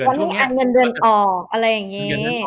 วันนี้อันเงินเดือนออกอะไรอย่างนี้